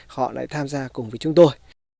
họ lại tham gia cùng với chúng tôi